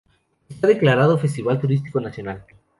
Está declarado Festival Turístico Nacional.